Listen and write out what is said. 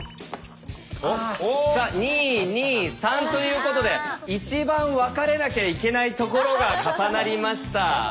さあ「２」「２」「３」ということで一番分かれなきゃいけないところが重なりました。